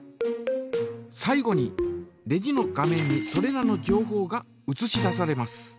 最後にレジの画面にそれらの情報がうつし出されます。